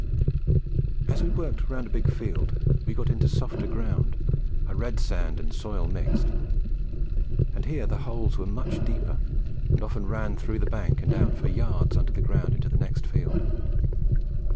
As we worked round a big field, we got into softer ground, a red sand and soil mixed; and here the holes were much deeper and often ran through the bank and out for yards under ground into the next field.